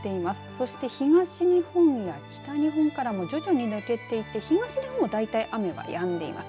そして東日本や北日本からも徐々に抜けていって東日本は大体雨はやんでいます。